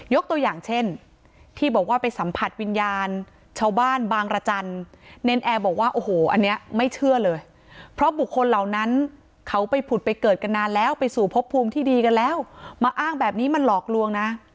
ตัวอย่างเช่นที่บอกว่าไปสัมผัสวิญญาณชาวบ้านบางรจันทร์เนรนแอร์บอกว่าโอ้โหอันนี้ไม่เชื่อเลยเพราะบุคคลเหล่านั้นเขาไปผุดไปเกิดกันนานแล้วไปสู่พบภูมิที่ดีกันแล้วมาอ้างแบบนี้มันหลอกลวงนะ